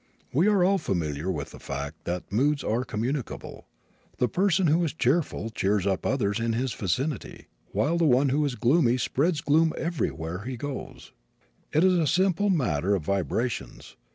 We are all familiar with the fact that moods are communicable. The person who is cheerful cheers up others in his vicinity, while the one who is gloomy spreads gloom wherever he goes. It is a simple matter of vibrations.